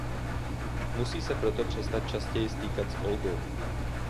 Musí se proto přestat častěji stýkat s Olgou.